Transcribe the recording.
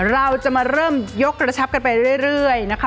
เราจะมาเริ่มยกระชับกันไปเรื่อยนะคะ